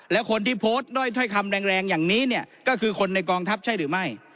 และคนที่โพสต์ด้อยถ้อยคำแรงอย่างนี้เนี่ยก็คือคนในกองทัพใช่หรือไม่